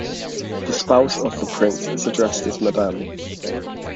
The spouse of the prince is addressed as Madame.